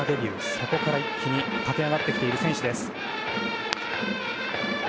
そこから一気に駆け上がってきている選手です。